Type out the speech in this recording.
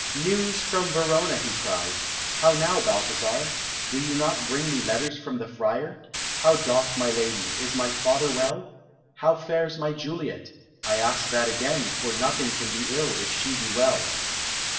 "News from Verona!" he cried. "How now, Balthasar? Do you not bring me letters from the Friar? How doth my lady? Is my father well? How fares my Juliet? I ask that again, for nothing can be ill if she be well."